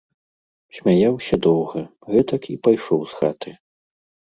Смяяўся доўга, гэтак і пайшоў з хаты.